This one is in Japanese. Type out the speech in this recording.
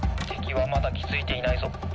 てきはまだきづいていないぞ。